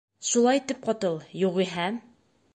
— Шулай тип ҡотол, юғиһә...